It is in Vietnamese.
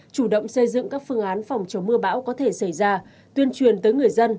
chủ động xây dựng các phương án phòng chống mưa bão có thể xảy ra tuyên truyền tới người dân